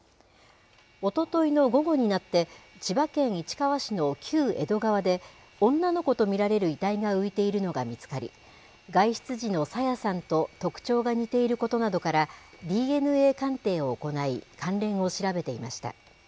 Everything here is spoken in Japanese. おとといの午後になって、千葉県市川市の旧江戸川で、女の子と見られる遺体が浮いているのが見つかり、外出時の朝芽さんと特徴が似ていることなどから、ＤＮＡ鑑定を行い、関連を調べていました。